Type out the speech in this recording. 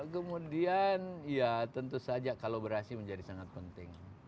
kemudian ya tentu saja kalau berhasil menjadi sangat penting